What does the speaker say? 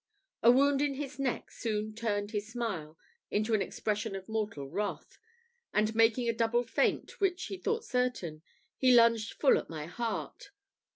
A wound in his neck soon turned his smile into an expression of mortal wrath, and making a double feint, which he thought certain, he lunged full at my heart.